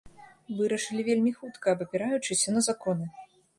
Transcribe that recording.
Вырашылі вельмі хутка, абапіраючыся на законы.